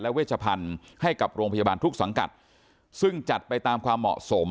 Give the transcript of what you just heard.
เวชพันธุ์ให้กับโรงพยาบาลทุกสังกัดซึ่งจัดไปตามความเหมาะสม